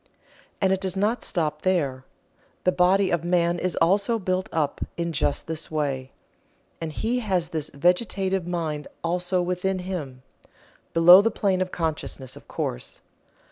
And it does not stop there. The body of man is also built up in just this way, and he has this vegetative mind also within him, below the plane of consciousness, of course.